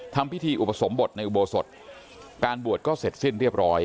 ทำพิธีอุปสมบทในอุโบสถการบวชก็เสร็จสิ้นเรียบร้อย